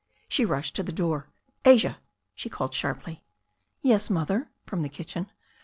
She rushed to the door. "Asia!" she called sharply. ''Yes, Mother," from the kitchen.